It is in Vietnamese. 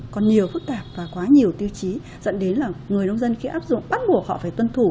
còn nhiều phức tạp và quá nhiều tiêu chí dẫn đến là người nông dân khi áp dụng bắt buộc họ phải tuân thủ